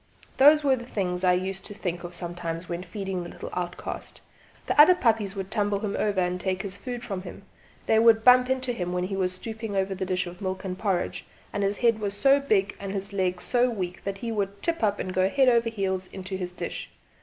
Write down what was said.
Those were the things I used to think of sometimes when feeding the little outcast. The other puppies would tumble him over and take his food from him; they would bump into him when he was stooping over the dish of milk and porridge, and his head was so big and his legs so weak that he would tip up and go heels over head into the dish.